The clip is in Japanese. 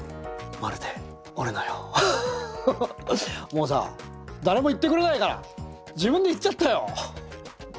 もうさ誰も言ってくれないから自分で言っちゃったよ！